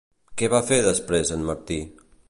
Què va fer després en Martí?